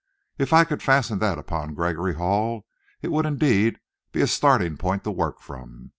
If I could fasten that upon Gregory Hall, it would indeed be a starting point to work from.